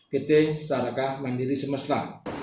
pt saraka mandiri semusta